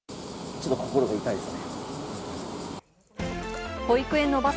ちょっと心が痛いですね。